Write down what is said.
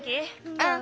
うん。